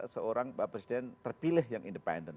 seorang pak presiden terpilih yang independen